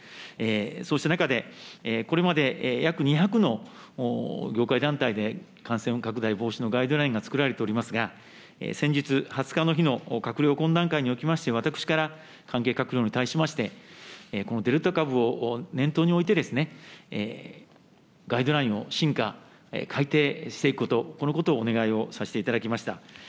そうした中で、これまで約２００の業界団体で感染拡大防止のガイドラインが作られておりますが、先日、２０日の日の閣僚懇談会におきまして、私から関係閣僚に対しまして、このデルタ株を念頭に置いて、ガイドラインを進化、改定していくこと、このことをお願いをさせていただきました。